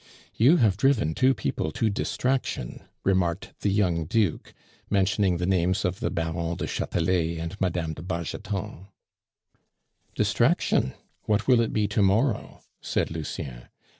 "You have driven two people to distraction," remarked the young Duke, mentioning the names of the Baron du Chatelet and Mme. de Bargeton. "Distraction? What will it be to morrow?" said Lucien.